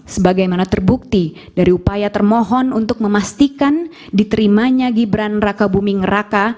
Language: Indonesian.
sebagaimana terbukti dari upaya termohon untuk memastikan diterimanya gibran raka buming raka